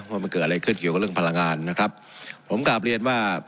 ว่ามันเกิดอะไรขึ้นเกี่ยวกับเรื่องพลังงานนะครับผมกลับเรียนว่า